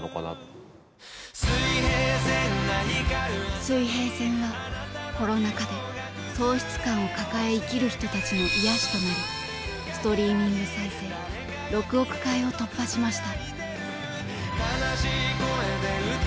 「水平線」はコロナ禍で喪失感を抱え生きる人たちの癒やしとなりストリーミング再生６億回を突破しました。